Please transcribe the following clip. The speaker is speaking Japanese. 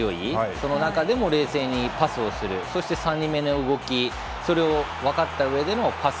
その中でも冷静にパスをするそして３人目の動きそれを分かった上でのパス。